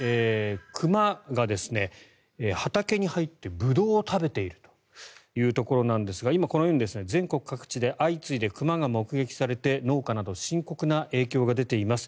熊が畑に入ってブドウを食べているというところですが今このように全国各地で熊が目撃されて農家など深刻な影響が出ています。